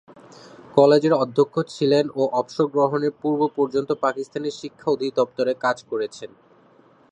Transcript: কলেজের অধ্যক্ষ ছিলেন ও অবসর গ্রহণের পূর্ব-পর্যন্ত পাকিস্তানের শিক্ষা অধিদপ্তরে কাজ করেছেন।